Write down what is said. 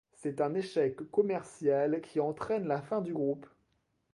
C’est un échec commercial qui entraîne la fin du groupe.